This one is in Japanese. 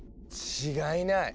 違いない！